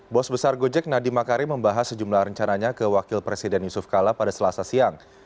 bos besar gojek nadiem makarim membahas sejumlah rencananya ke wakil presiden yusuf kala pada selasa siang